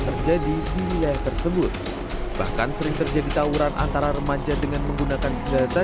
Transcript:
terjadi di wilayah tersebut bahkan sering terjadi tawuran antara remaja dengan menggunakan senjata